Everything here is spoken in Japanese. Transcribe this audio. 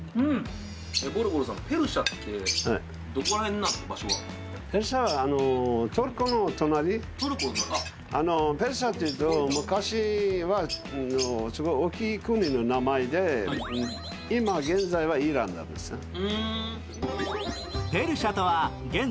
ペルシャっいうと、昔は大きい国の名前で今現在はイランなんですね。